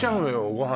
ご飯